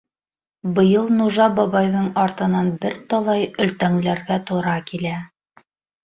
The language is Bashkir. Быйыл нужа бабайҙың артынан бер талай өлтәңләргә тура килә.